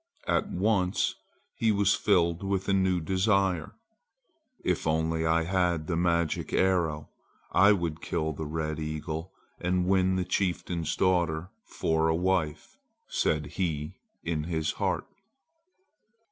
At once he was filled with a new desire. "If only I had the magic arrow, I would kill the red eagle and win the chieftain's daughter for a wife," said he in his heart.